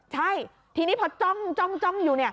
ใช่ทีนี้พอจ้องจ้องจ้องอยู่